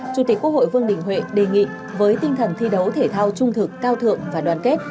chủ tịch quốc hội vương đình huệ đề nghị với tinh thần thi đấu thể thao trung thực cao thượng và đoàn kết